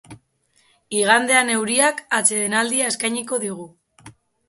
Igandean euriak atsedenaldia eskainiko digu.